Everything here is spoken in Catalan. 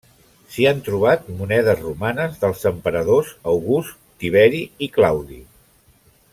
S'hi han trobat monedes romanes dels emperadors August, Tiberi i Claudi.